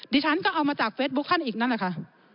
ดิฉันก็เอามาจากเฟซบุ๊คท่านอีกนั่นแหละค่ะ